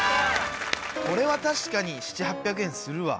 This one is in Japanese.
これは確かに７００８００円するわ。